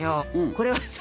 これはさ